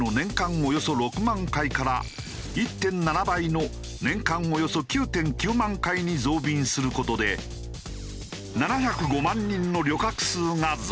およそ６万回から１．７倍の年間およそ９．９万回に増便する事で７０５万人の旅客数が増加。